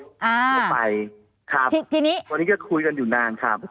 ไม่ไปครับวันนี้ก็คุยกันอยู่นานครับทีนี้